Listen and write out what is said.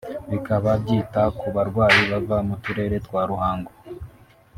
Bikaba byita ku barwayi bava mu Turere twa Ruhango